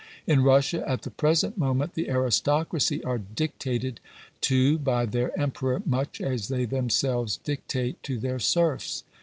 In Russia, at the present moment, the aristocracy are dictated to by their emperor much as they themselves dictate to their serfs.